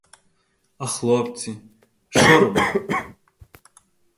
А хлопці — шо робити?